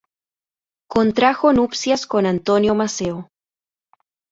Contrajo nupcias con Antonio Maceo.